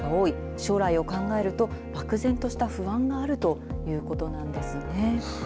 将来を考えると、漠然とした不安があるということなんですね。